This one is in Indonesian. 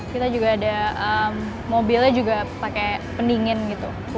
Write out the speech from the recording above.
kita juga ada mobilnya juga pakai pendingin gitu